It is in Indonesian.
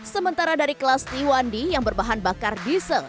sementara dari kelas t satu d yang berbahan bakar diesel